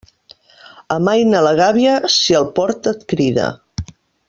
Amaina la gàbia, si el port et crida.